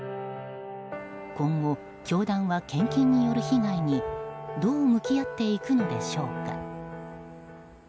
今後、教団は献金による被害にどう向き合っていくのでしょうか。